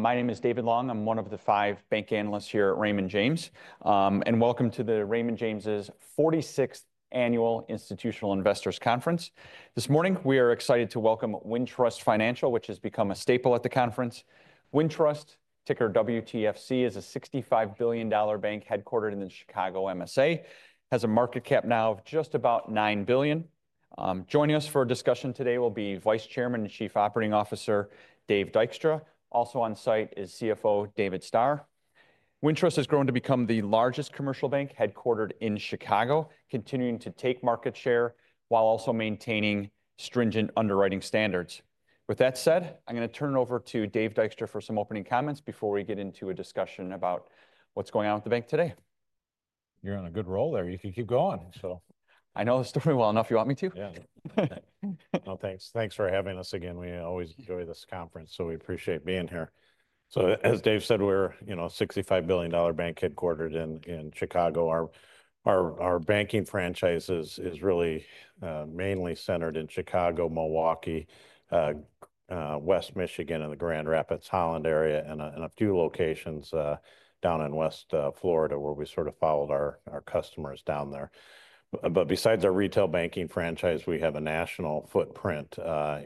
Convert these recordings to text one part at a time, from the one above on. My name is David Long. I'm one of the five bank analysts here at Raymond James, and welcome to the Raymond James' 46th Annual Institutional Investors Conference. This morning, we are excited to welcome Wintrust Financial, which has become a staple at the conference. Wintrust, ticker WTFC, is a $65 billion bank headquartered in the Chicago MSA. Has a market cap now of just about $9 billion. Joining us for a discussion today will be Vice Chairman and Chief Operating Officer Dave Dykstra. Also on site is CFO David Stoehr. Wintrust has grown to become the largest commercial bank headquartered in Chicago, continuing to take market share while also maintaining stringent underwriting standards. With that said, I'm going to turn it over to Dave Dykstra for some opening comments before we get into a discussion about what's going on with the bank today. You're on a good roll there. You can keep going. I know the story well enough. You want me to? Yeah. No, thanks. Thanks for having us again. We always enjoy this conference, so we appreciate being here. So, as Dave said, we're a $65 billion bank headquartered in Chicago. Our banking franchise is really mainly centered in Chicago, Milwaukee, West Michigan, and the Grand Rapids/Holland area, and a few locations down in West Florida, where we sort of followed our customers down there. But besides our retail banking franchise, we have a national footprint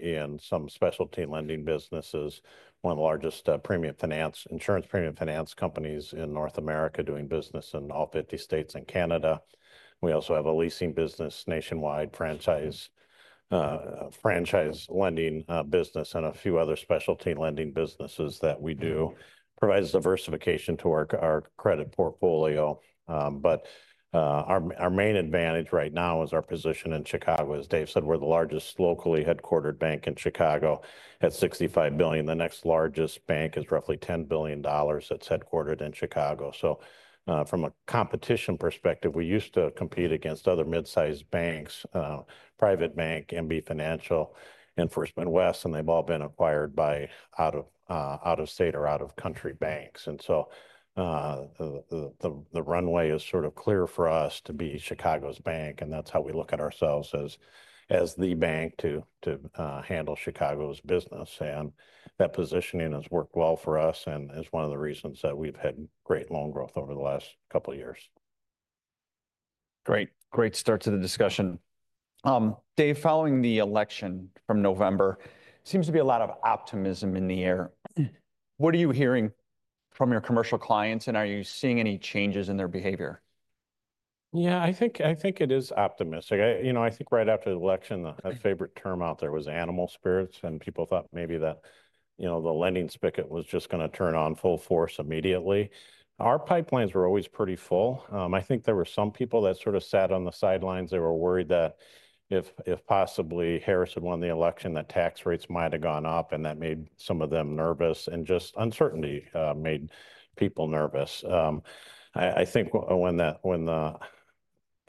in some specialty lending businesses, one of the largest premium finance, insurance premium finance companies in North America doing business in all 50 states and Canada. We also have a leasing business, nationwide franchise franchise lending business, and a few other speciality lending businesses that we do. It provides diversification to our credit portfolio. But our our main advantage right now is our position in Chicago. As Dave said, we're the largest locally headquartered bank in Chicago at $65 billion. The next largest bank is roughly $10 billion. It's headquartered in Chicago. So, from a competition perspective, we used to compete against other mid-sized banks, Private bank, MB Financial, and First Midwest, and they've all been acquired by out of out-of-state or out-of-country banks. And so the runway is sort of clear for us to be Chicago's bank, and that's how we look at ourselves as the bank to handle Chicago's business. And that positioning has worked well for us and is one of the reasons that we've had great loan growth over the last couple of years. Great. Great start to the discussion. Dave, following the election from November, seems to be a lot of optimism in the air. What are you hearing from your commercial clients, and are you seeing any changes in their behavior? Yeah, I think I think it is optimistic. You know, I think right after the election, a favorite term out there was animal spirits, and people thought maybe the you know the lending spigot was just going to turn on full force immediately. Our pipelines were always pretty full. I think there were some people that sort of sat on the sidelines. They were worried that if possibly Harris had won the election, that tax rates might have gone up, and that made some of them nervous, and just uncertainty made people nervous. I think when the when the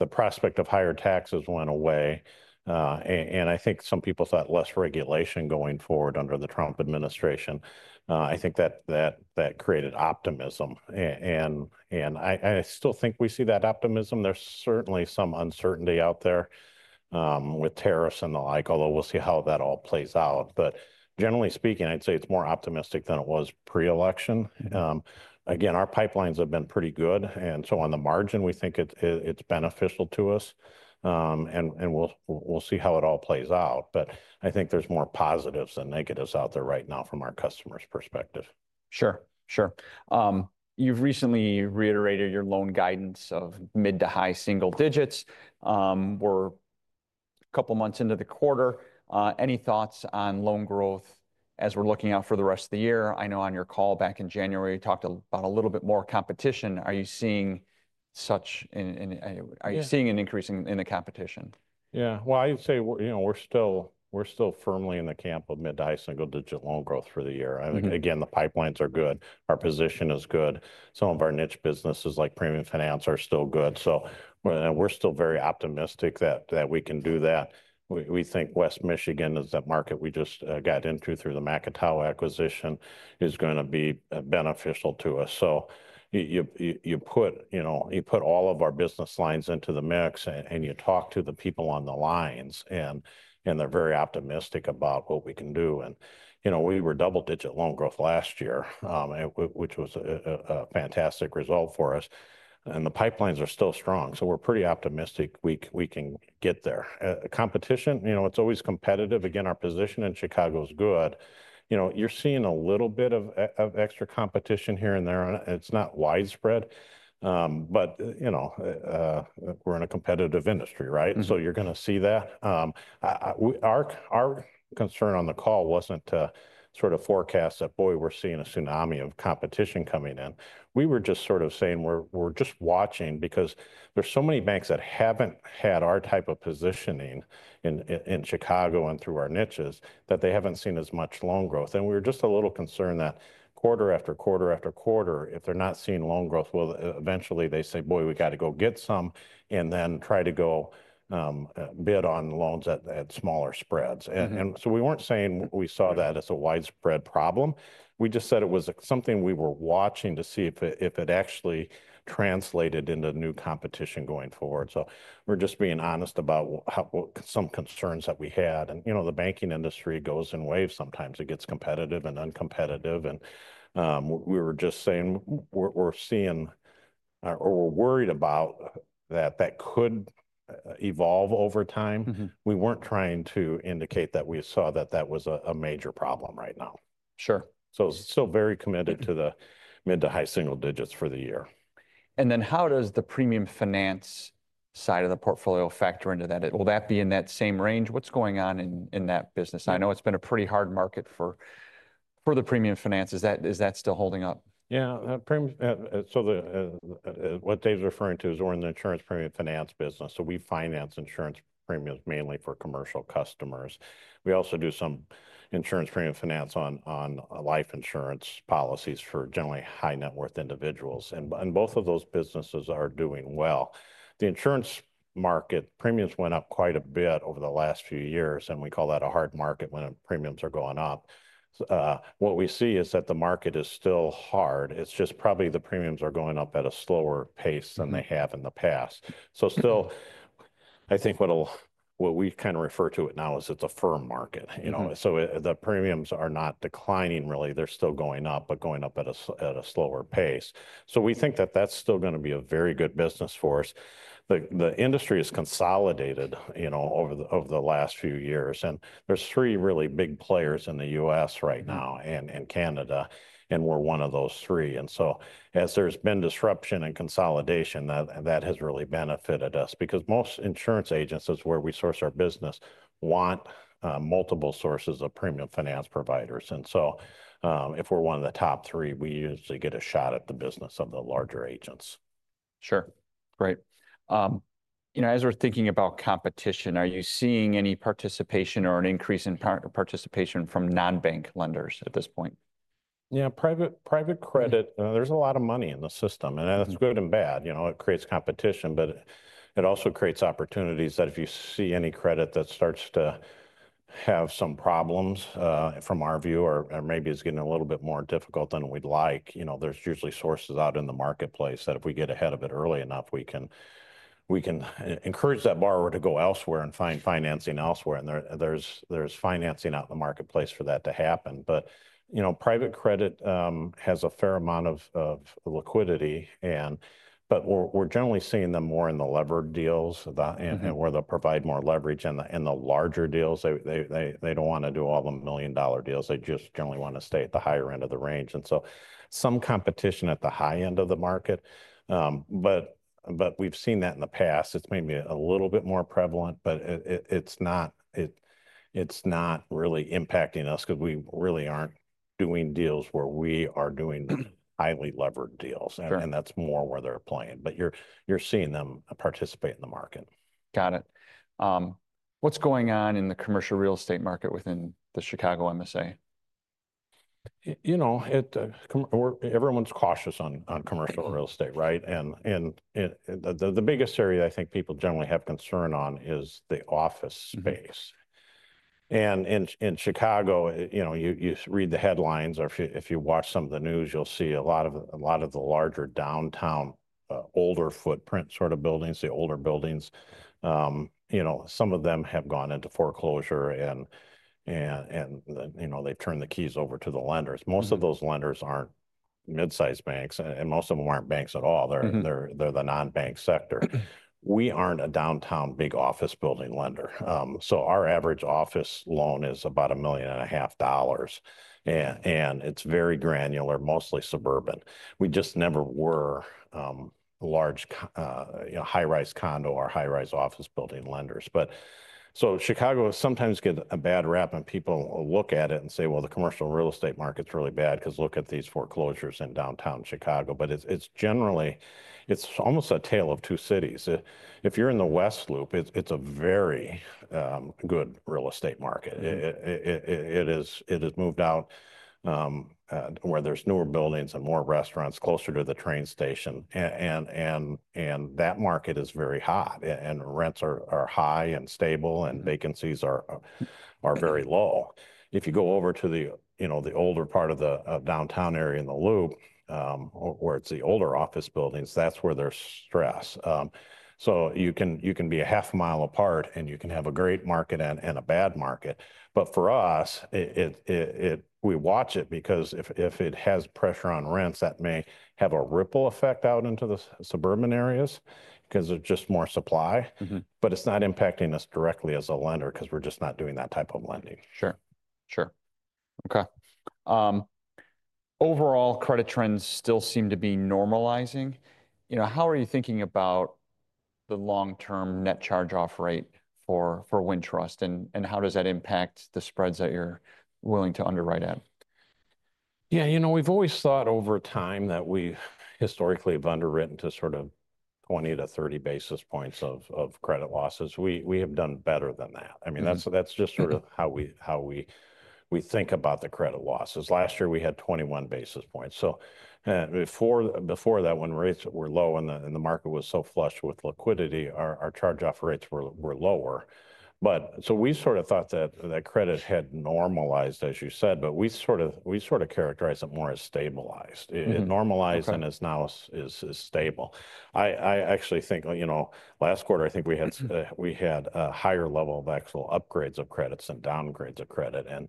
prospect of higher taxes went away, and I think some people thought less regulation going forward under the Trump administration, I think that that created optimism, and and I still think we see that optimism. There's certainly some uncertainty out there with tariffs and the like, although we'll see how that all plays out. But generally speaking, I'd say it's more optimistic than it was pre-election. Again, our pipelines have been pretty good, and so on the margin, we think it's beneficial to us, and we'll see how it all plays out. But I think there's more positives than negatives out there right now from our customers' perspective. Sure. Sure. You've recently reiterated your loan guidance of mid to high single digits. We're a couple of months into the quarter. Any thoughts on loan growth as we're looking out for the rest of the year? I know on your call back in January, you talked about a little bit more competition. Are you seeing such an increase in the competition? Yeah. Well, I would say we're still firmly in the camp of mid to high single-digit loan growth for the year. Again, the pipelines are good. Our position is good. Some of our niche businesses, like premium finance, are still good. So we're still very optimistic that we can do that. We think West Michigan, as that market we just got into through the Macatawa acquisition, is going to be beneficial to us. So you you put you know you put all of our business lines into the mix, and you talk to the people on the lines, and and they're very optimistic about what we can do. And you know we were double-digit loan growth last year, which was a fantastic result for us. And the pipelines are still strong, so we're pretty optimistic we can get there. Competition, you know, it's always competitive. Again, our position in Chicago is good. You know you're seeing a little bit of extra competition here and there. It's not widespread, but you know we're in a competitive industry, right? So you're going to see that. Our our concern on the call wasn't sort of forecast that, boy, we're seeing a tsunami of competition coming in. We were just sort of saying we're just watching because there's so many banks that haven't had our type of positioning in Chicago and through our niches that they haven't seen as much loan growth. And we were just a little concerned that quarter after quarter after quarter, if they're not seeing loan growth, well, eventually they say, boy, we got to go get some and then try to go bid on loans at smaller spreads. And so we weren't saying we saw that as a widespread problem. We just said it was something we were watching to see if it actually translated into new competition going forward. So we're just being honest about some concerns that we had. You know the banking industry goes in waves. Sometimes it gets competitive and uncompetitive. And we were just saying we're seeing or we're worried about that that could evolve over time. We weren't trying to indicate that we saw that that was a major problem right now. Sure. So, still very committed to the mid to high single digits for the year. And then how does the premium finance side of the portfolio factor into that? Will that be in that same range? What's going on in that businesmarket s? I know it's been a pretty hard for the premium finances. Is that still holding up? Yeah. So what Dave's referring to is we're in the insurance premium finance business. So we finance insurance premiums mainly for commercial customers. We also do some insurance premium finance on life insurance policies for generally high-net-worth individuals. And both of those businesses are doing well. The insurance market, premiums went up quite a bit over the last few years, and we call that a hard market when premiums are going up. What we see is that the market is still hard. It's just probably the premiums are going up at a slower pace than they have in the past. So still, I think what we kind of refer to it now is it's a firm market. You know so the premiums are not declining, really. They're still going up, but going up at a slower pace. So we think that that's still going to be a very good business for us. The industry has consolidated you know over the over the last few years, and there's three really big players in the US right now and Canada, and we're one of those three, and so as there's been disruption and consolidation, that has really benefited us because most insurance agents, that's where we source our business, want multiple sources of premium finance providers, and so if we're one of the top three, we usually get a shot at the business of the larger agents. Sure. Great. You know as we're thinking about competition, are you seeing any participation or an increase in participation from non-bank lenders at this point? Yeah. Private private credit, there's a lot of money in the system, and that's good and bad. It creates competition, but it also creates opportunities that if you see any credit that starts to have some problems from our view, or maybe it's getting a little bit more difficult than we'd like, you know there's usually sources out in the marketplace that if we get ahead of it early enough, we can we can encourage that borrower to go elsewhere and find financing elsewhere. And there's financing out in the marketplace for that to happen. But you know private credit has a fair amount of liquidity, and but we're generally seeing them more in the levered deals where they'll provide more leverage. And the larger deals, they they they don't want to do all the million-dollar deals. They just generally want to stay at the higher end of the range. And so some competition at the high end of the market. But but we've seen that in the past. It's maybe a little bit more prevalent, but it's not it's not really impacting us because we really aren't doing deals where we are doing highly levered deals. And that's more where they're playing. But you're seeing them participate in the market. Got it. What's going on in the commercial real estate market within the Chicago MSA? You know, everyone's cautious on commercial real estate, right, and and the biggest [worry] I think people generally have concern on is the office space, and in Chicago, you know you read the headlines, or if you watch some of the news, you'll see a lot of the larger downtown older footprint sort of buildings, the older buildings. You know some of them have gone into foreclosure, and and you know they've turned the keys over to the lenders. Most of those lenders aren't mid-sized banks, and most of them aren't banks at all. They're the non-bank sector. We aren't a downtown big office building lender, so our average office loan is about $1.5 million, and it's very granular, mostly suburban. We just never were large high-rise condo or high-rise office building lenders. But so Chicago sometimes gets a bad rap, and people look at it and say, well, the commercial real estate market's really bad because look at these foreclosures in downtown Chicago. But it's generally, it's almost a tale of two cities. If you're in the West Loop, it's a very good real estate market. It has moved out where there's newer buildings and more restaurants closer to the train station. And and and that market is very hot, and rents are high and stable, and vacancies are very low. If you go over to the you now the older part of the downtown area in the world, where it's the older office buildings, that's where there's stress. So you can be a half a mile apart, and you can have a great market and a bad market. But for us, if if we watch it because if it has pressure on rents, that may have a ripple effect out into the suburban areas because there's just more supply. But it's not impacting us directly as a lender because we're just not doing that type of lending. Sure. Sure. Okay. Overall, credit trends still seem to be normalizing. How are you thinking about the long-term net charge-off rate for Wintrust, and how does that impact the spreads that you're willing to underwrite at? Yeah. You know, we've always thought over time that we historically have underwritten to sort of 20-30 basis points of credit losses. We have done better than that. I mean, that's just sort of how we how we think about the credit losses. Last year, we had 21 basis points. So before that, when rates were low and the market was so flush with liquidity, our charge-off rates were lower. But so, we sort of thought that the credit had normalized, as you said, but we sort of we sort of characterize it more as stabilized. It normalized, and it's now stable. I actually think you know last quarter, I think we had a higher level of actual upgrades of credits and downgrades of credit. and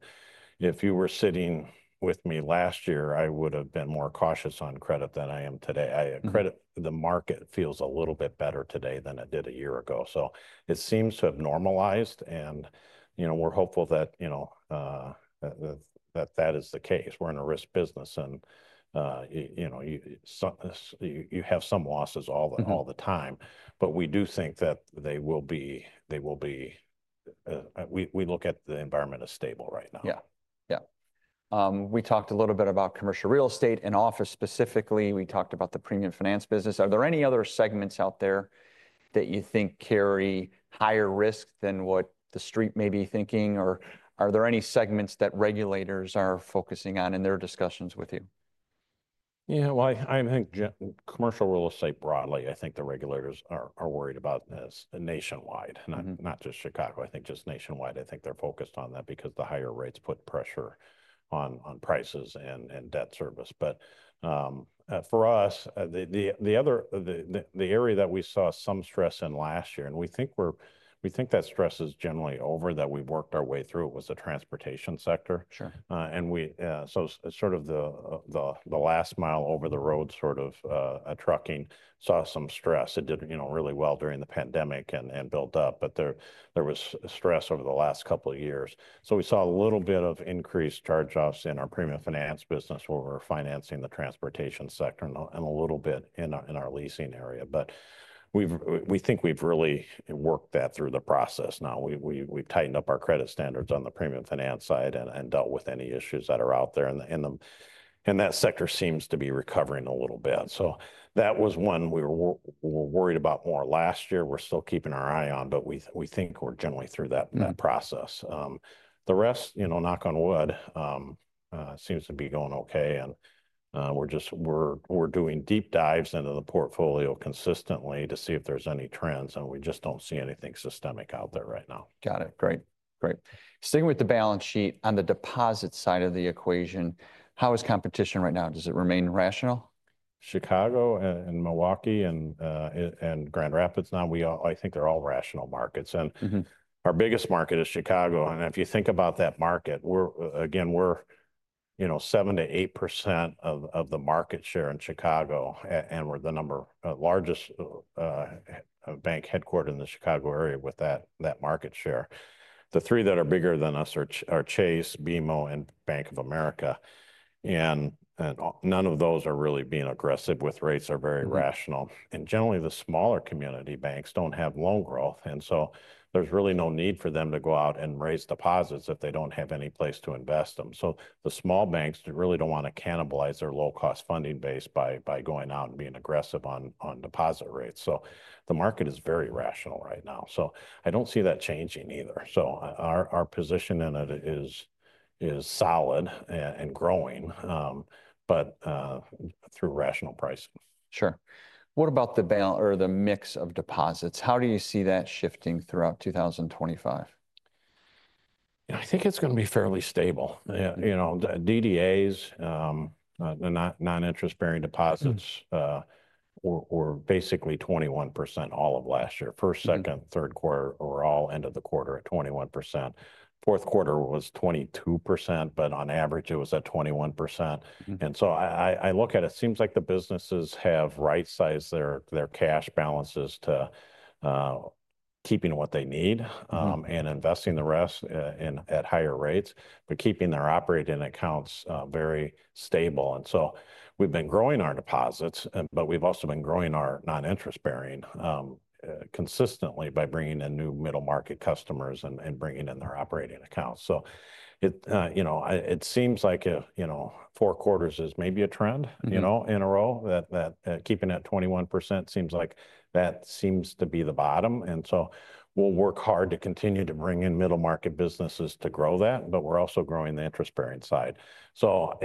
if you were sitting with me last year, I would have been more cautious on credit than I am today. The credit to the market feels a little bit better today than it did a year ago, so it seems to have normalized, and you know we're hopeful that you know that is the case. We're in a risk business, and you know you have some losses all the time, but we do think that they will be, they will be. We look at the environment as stable right now. Yeah. Yeah. We talked a little bit about commercial real estate and office specifically. We talked about the premium finance business. Are there any other segments out there that you think carry higher risk than what the street may be thinking, or are there any segments that regulators are focusing on in their discussions with you? Yeah. Well, I think commercial real estate broadly. I think the regulators are worried about this nationwide, not just Chicago. I think just nationwide. I think they're focused on that because the higher rates put pressure on prices and debt service. But for us, the other the area that we saw some stress in last year, and we think we're that stress is generally over, that we've worked our way through, it was the transportation sector. And so sort of the last mile over the road, sort of trucking, saw some stress. It did really well during the pandemic and built up, but there was stress over the last couple of years. So we saw a little bit of increased charge-offs in our premium finance business where we're financing the transportation sector and a little bit in our leasing area. But we think we've really worked that through the process now. We've tightened up our credit standards on the premium finance side and dealt with any issues that are out there. And that sector seems to be recovering a little bit. So that was one we were worried about more last year. We're still keeping our eye on, but we think we're generally through that process. The rest, you know knock on wood, seems to be going okay. And we're doing deep dives into the portfolio consistently to see if there's any trends, and we just don't see anything systemic out there right now. Got it. Great. Great. Sticking with the balance sheet, on the deposit side of the equation, how is competition right now? Does it remain rational? Chicago, Milwaukee, and Grand Rapids now, I think they're all rational markets. Our biggest market is Chicago. And if you think about that market, again, we're 7%-8% of the market share in Chicago, and we're the no. of largest bank headquartered in the Chicago area with that market share. The three that are bigger than us are Chase, BMO, and Bank of America. and none of those are really being aggressive with rates are very rational. And generally, the smaller community banks don't have loan growth. So there's really no need for them to go out and raise deposits if they don't have any place to invest them. The small banks really don't want to cannibalize their low-cost funding base by going out and being aggressive on deposit rates. so, the market is very rational right now. So, I don't see that changing either. So our position in it is solid and growing, but through rational pricing. Sure. What about the mix of deposits? How do you see that shifting throughout 2025? I think it's going to be fairly stable. You know DDAs, Non-Interest-Bearing Deposits, we're basically 21% all of last year. First, second, third quarter, or all end of the quarter at 21%. Fourth quarter was 22%, but on average, it was at 21%. And so I look at it. It seems like the businesses have right-sized their cash balances to keeping what they need and investing the rest at higher rates, but keeping their operating accounts very stable. And so we've been growing our deposits, but we've also been growing our non-interest-bearing consistently by bringing in new middle-market customers and bringing in their operating accounts. So it you know it seems like you know four quarters is maybe a trend you know in a row that keeping at 21% seems like that seems to be the bottom. And so we'll work hard to continue to bring in middle-market businesses to grow that, but we're also growing the interest-bearing side. So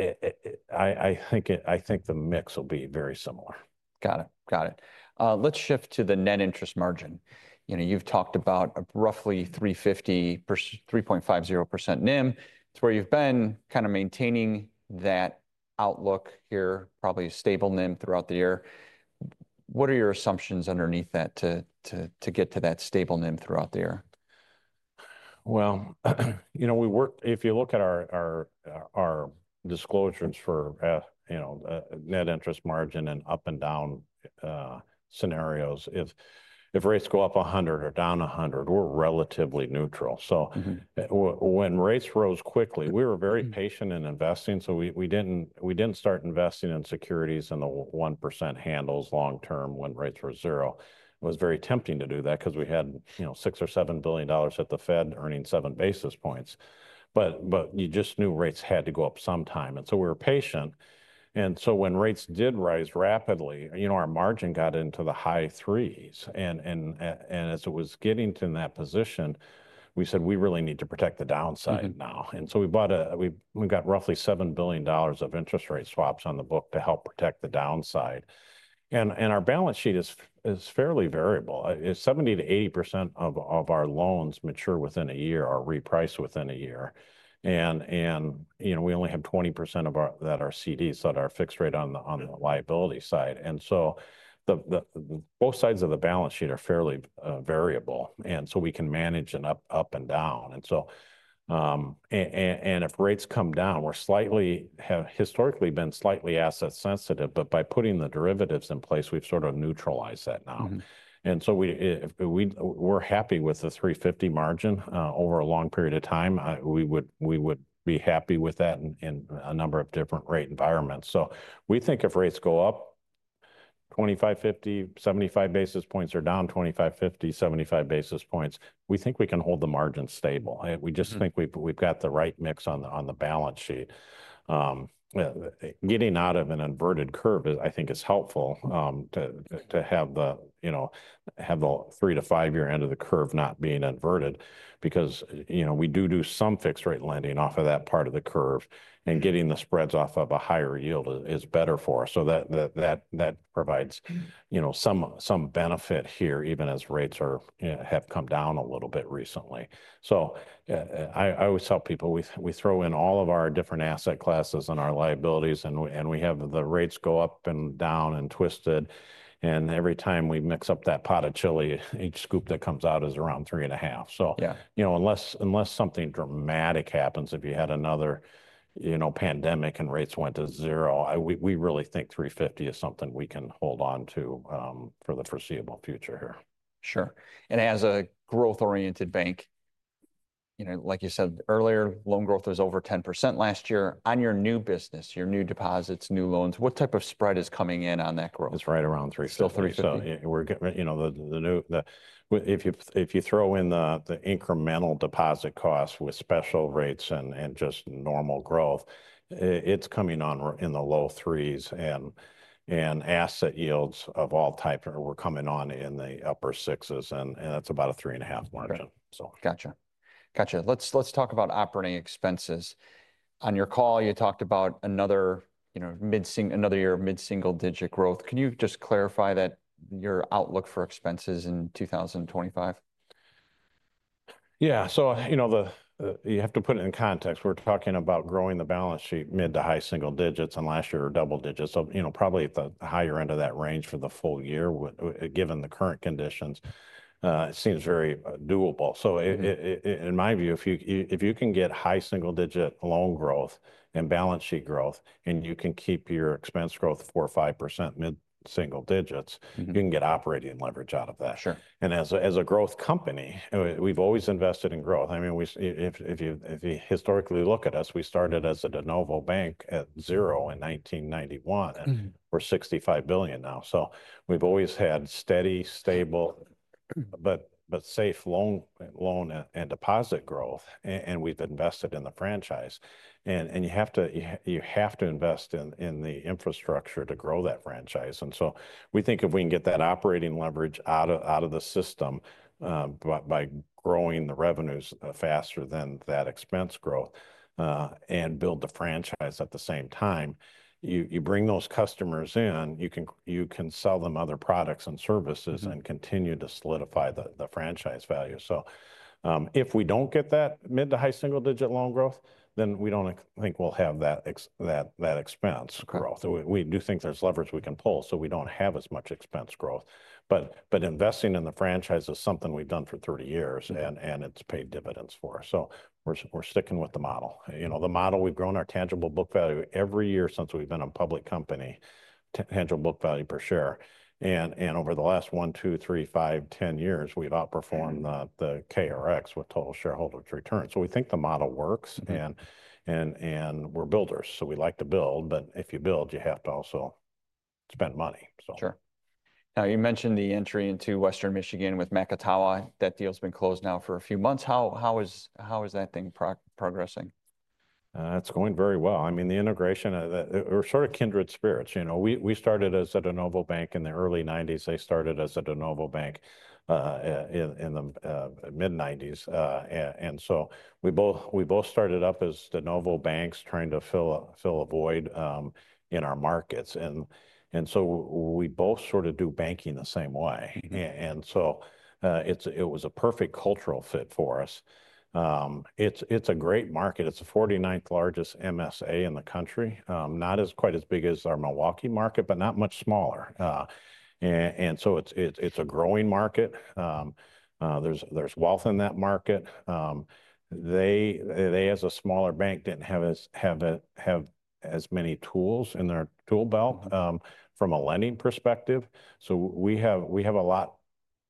I think the mix will be very similar. Got it. Got it. Let's shift to the net interest margin. You've talked about a roughly 3.50%, 3.50% NIM. It's where you've been kind of maintaining that outlook here, probably a stable NIM throughout the year. What are your assumptions underneath that to get to that stable NIM throughout the year? Well you know, If you look at our disclosures for net interest margin and up and down scenarios, if rates go up 100 or down 100, we're relatively neutral. So when rates rose quickly, we were very patient in investing. So we didn't start investing in securities in the 1% handles long-term when rates were zero. It was very tempting to do that because we had $6-$7 billion at the Fed earning seven basis points. But you just knew rates had to go up sometime. And so we were patient. And so when rates did rise rapidly, our margin got into the high threes. And as it was getting to that position, we said, "We really need to protect the downside now." And so we got roughly $7 billion of interest rate swaps on the book to help protect the downside. And our balance sheet is fairly variable. Its 70%-80% of our loans mature within a year or reprice within a year. And and you know we only have 20% of our CDs that are fixed rate on the liability side. And so the the both sides of the balance sheet are fairly variable. And so we can manage an up and down. And if rates come down, we're historically been slightly asset sensitive, but by putting the derivatives in place, we've sort of neutralized that now. And so we're happy with the 3.50 margin over a long period of time. We would be happy with that in a number of different rate environments. So we think if rates go up 25, 50, 75 basis points or down 25, 50, 75 basis points, we think we can hold the margin stable. We just think we've got the right mix on the balance sheet. Getting out of an inverted curve, I think, is helpful to have you know the three to five-year end of the curve not being inverted because we do do some fixed rate lending off of that part of the curve, and getting the spreads off of a higher yield is better for us. So that provides some benefit here, even as rates have come down a little bit recently. So I always tell people we throw in all of our different asset classes and our liabilities, and we have the rates go up and down and twisted. And every time we mix up that pot of chili, each scoop that comes out is around three and a half. So you know unless something dramatic happens, if you had another pandemic and rates went to zero, we really think 350 is something we can hold on to for the foreseeable future here. Sure. And as a growth-oriented bank, you know like you said earlier, loan growth was over 10% last year. On your new business, your new deposits, new loans, what type of spread is coming in on that growth? It's right around 3.50. Still 3.50. We're getting the new, if you throw in the incremental deposit costs with special rates and just normal growth, it's coming on in the low threes. And asset yields of all types were coming on in the upper sixes, and that's about a three and a half margin. Gotcha. Gotcha. Let's talk about operating expenses. On your call, you talked about another year of mid-single digit growth. Can you just clarify that your outlook for expenses in 2025? Yeah. So you know the you have to put it in context. We're talking about growing the balance sheet mid to high single digits, and last year were double digits. So you know probably at the higher end of that range for the full year, given the current conditions, it seems very doable. So in my view, if you can get high single digit loan growth and balance sheet growth, and you can keep your expense growth 4% or 5% mid-single digits, you can get operating leverage out of that. And as a growth company, we've always invested in growth. I mean, if you historically look at us, we started as a de novo bank at zero in 1991, and we're $65 billion now. So we've always had steady, stable, but safe loan and deposit growth, and we've invested in the franchise. And you have to invest in the infrastructure to grow that franchise. And so we think if we can get that operating leverage out of the system by growing the revenues faster than that expense growth and build the franchise at the same time, you bring those customers in, you can sell them other products and services and continue to solidify the franchise value. So if we don't get that mid to high single digit loan growth, then we don't think we'll have that expense growth. We do think there's leverage we can pull, so we don't have as much expense growth. But investing in the franchise is something we've done for 30 years, and it's paid dividends for us. So we're sticking with the model. The model, we've grown our tangible book value every year since we've been a public company, tangible book value per share. And over the last one, two, three, five, 10 years, we've outperformed the KRX with total shareholders' return. So we think the model works, and we're builders. So we like to build, but if you build, you have to also spend money. Sure. Now, you mentioned the entry into West Michigan with Macatawa. That deal has been closed now for a few months. How is that thing progressing? It's going very well. I mean, the integration, we're sort of kindred spirits ypu know. We started as a de novo bank in the early 1990s. They started as a de novo bank in the mid-1990s, and so we both started up as de novo banks trying to fill a void in our markets, and so we both sort of do banking the same way, and so it was a perfect cultural fit for us. It's a great market. It's the 49th largest MSA in the country, not quite as big as our Milwaukee market, but not much smaller, and so it's a growing market. There's wealth in that market. They, as a smaller bank, didn't have as many tools in their tool belt from a lending perspective, so we have a lot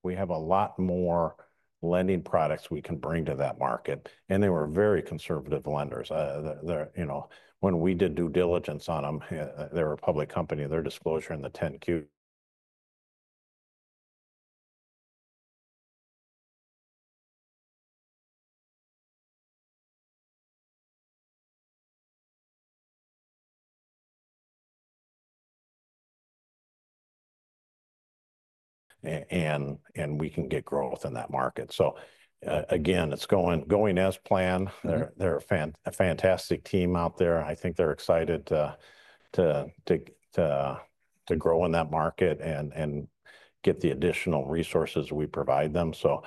we have a lot more lending products we can bring to that market. And they were very conservative lenders. You know when we did due diligence on them, they were a public company. Their disclosure in the 10-Q. And we can get growth within that market. So again, it's going as planned. They're a fantastic team out there. I think they're excited to grow in that market and get the additional resources we provide them. So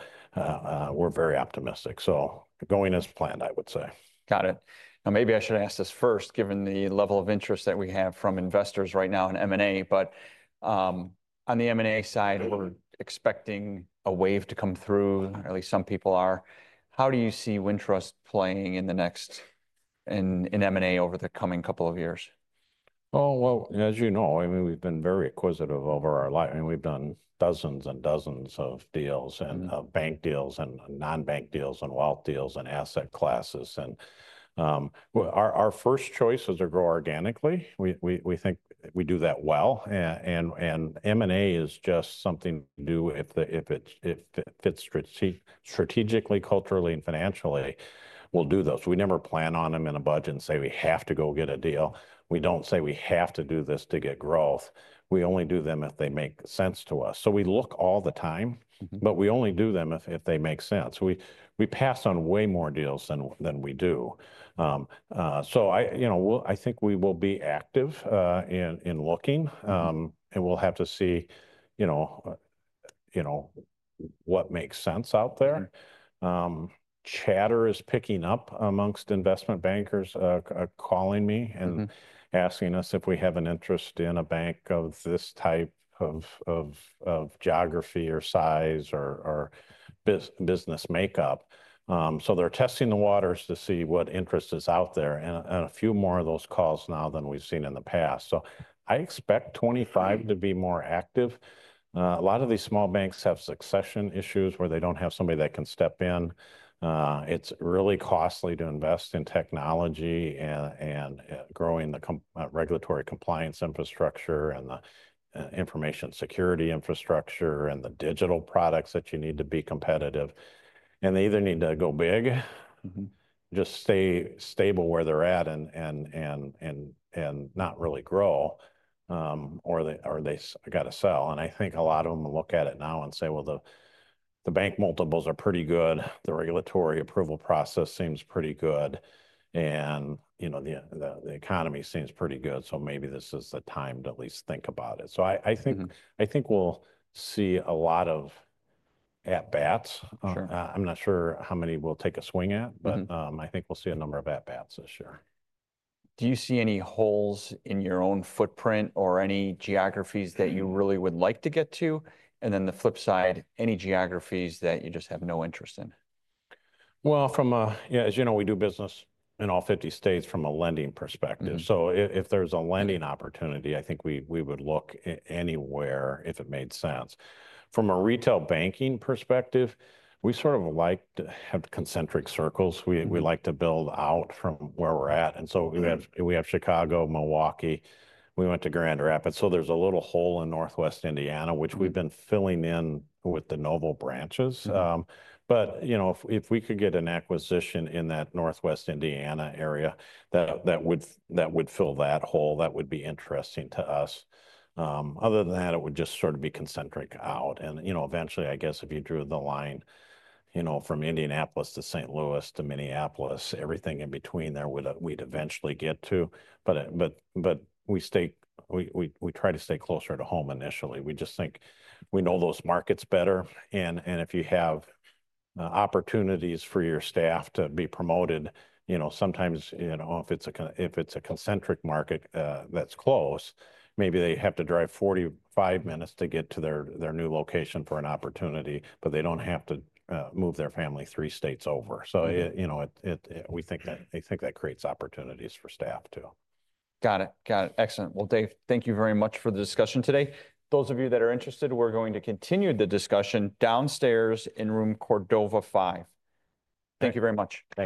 we're very optimistic. So going as planned, I would say. Got it. Now, maybe I should ask this first, given the level of interest that we have from investors right now in M&A. But on the M&A side, we're expecting a wave to come through. At least some people are. How do you see Wintrust playing in the next in M&A over the coming couple of years? Oh, well, as you know, I mean, we've been very acquisitive over our life. I mean, we've done dozens and dozens of deals and bank deals and non-bank deals and wealth deals and asset classes. And our first choice is to grow organically. We think we do that well. And M&A is just something to do if it fits strategically, culturally, and financially. We'll do those. We never plan on them in a budget and say, "We have to go get a deal." We don't say, "We have to do this to get growth." We only do them if they make sense to us. So we look all the time, but we only do them if they make sense. We pass on way more deals than we do. So I think we will be active in looking, and we'll have to see you know you know what makes sense out there. Chatter is picking up among investment bankers calling me and asking us if we have an interest in a bank of this type of geography or size or business makeup. So they're testing the waters to see what interest is out there, and a few more of those calls now than we've seen in the past. So I expect 2025 to be more active. A lot of these small banks have succession issues where they don't have somebody that can step in. It's really costly to invest in technology and growing the regulatory compliance infrastructure and the information security infrastructure and the digital products that you need to be competitive, and they either need to go big, just stay stable where they're at, and not really grow, or they got to sell. I think a lot of them look at it now and say, "Well, the bank multiples are pretty good. The regulatory approval process seems pretty good. And you know the economy seems pretty good. So maybe this is the time to at least think about it." So I think I think we'll see a lot of at-bats. I'm not sure how many we'll take a swing at, but I think we'll see a number of at-bats this year. Do you see any holes in your own footprint or any geographies that you really would like to get to? And then the flip side, any geographies that you just have no interest in? Well from as you know, we do business in all 50 states from a lending perspective. So if there's a lending opportunity, I think we would look anywhere if it made sense. From a retail banking perspective, we sort of like to have concentric circles. We like to build out from where we're at. And so we have Chicago, Milwaukee. We went to Grand Rapids. So there's a little hole in Northwest Indiana, which we've been filling in with de novo branches. But if we could get an acquisition in that Northwest Indiana area, that would fill that hole. That would be interesting to us. Other than that, it would just sort of be concentric out. And you know eventually, I guess if you drew the line you know from Indianapolis to St. Louis to Minneapolis, everything in between there we'd eventually get to. But we try to stay closer to home initially. We just think we know those markets better. And if you have opportunities for your staff to be promoted, you know sometimes if it's a concentric market that's close, maybe they have to drive 45 minutes to get to their new location for an opportunity, but they don't have to move their family three states over. So you know we think that creates opportunities for staff too. Got it. Got it. Excellent. Well, Dave, thank you very much for the discussion today. Those of you that are interested, we're going to continue the discussion downstairs in room Cordova 5. Thank you very much.